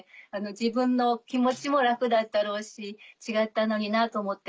自分の気持ちも楽だったろうし違ったのになと思って。